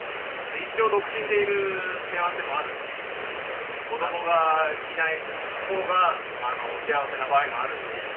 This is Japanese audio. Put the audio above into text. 一生独身でいる幸せもあるし子供がいないほうが幸せな場合もあるし。